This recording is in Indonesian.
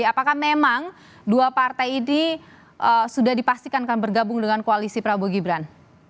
apakah memang dua partai ini sudah dipastikan akan bergabung dengan koalisi prabowo gibran